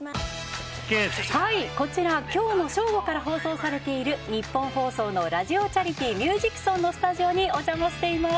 こちら今日の正午から放送されているニッポン放送のラジオ・チャリティ・ミュージックソンのスタジオにお邪魔しています。